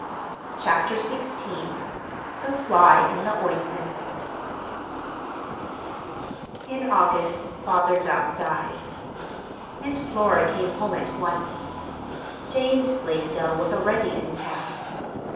CHAPTER XVI THE FLY IN THE OINTMENT In August Father Duff died. Miss Flora came home at once. James Blaisdell was already in town.